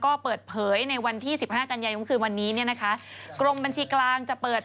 ก็เปิดเผยในวันที่สิบห้ากันยายนวันนี้เนี่ยนะคะกรมบัญชีกลางจะเปิด